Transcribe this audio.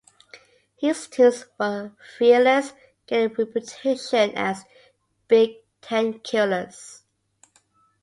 His teams were fearless, gaining a reputation as "Big Ten killers".